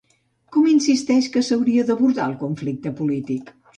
Com insisteix que s'hauria d'abordar el conflicte polític?